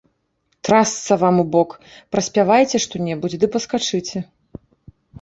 Трасца вам у бок, праспявайце што-небудзь ды паскачыце!